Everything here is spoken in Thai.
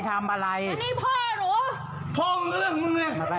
พ่อมันก็เรื่องมึงน่ะ